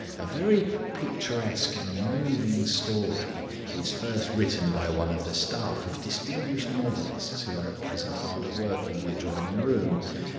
A very picturesque and moving story is first written by one of the staff of distinguished novelists who are at present hard at work in the adjoining room.